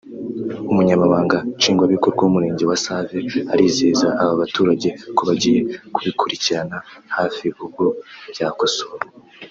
Umunyamabanga Nshingwabikorwa w’Umurenge wa Save arizeza aba baturage ko bagiye kubikurikiranira hafi ubwo byakosowe